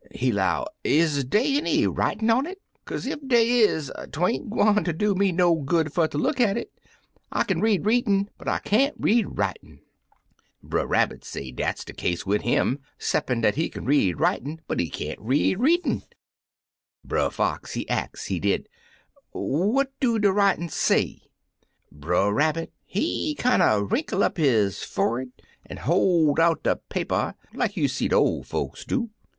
He 'low, *Is dey any writin' on it ? Kaze ef dey is 'tain't gwine ter do me no good fer ter look at it; I kin read readin', but I can't read writin'.' Brer Rabbit say dat's de case wid him, 'ceppin' 90 Two Fat Pullets dat he kin read writin', but he can't read readin'. Brer Fox, he ax, he did, 'What do de writin' say?' Brer Rabbit, he kinder^ wrinkle up his forrer'd, an' hoi' out de paper like you've seed ol' folks do.